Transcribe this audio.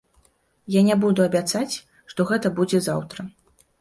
Я не буду абяцаць, што гэта будзе заўтра.